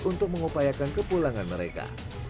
untuk mengupayakan kepulangan mereka